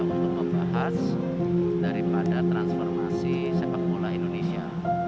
untuk membahas daripada transformasi sepak bola indonesia